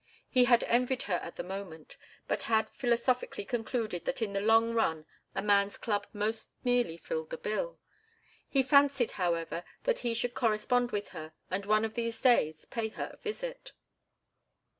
He had envied her at the moment, but had philosophically concluded that in the long run a man's club most nearly filled the bill. He fancied, however, that he should correspond with her, and one of these days pay her a visit.